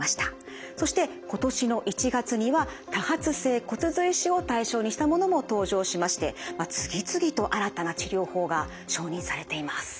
そして今年の１月には多発性骨髄腫を対象にしたものも登場しまして次々と新たな治療法が承認されています。